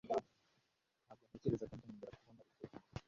Ntabwo ntekereza ko nzongera kubona Rutebuka.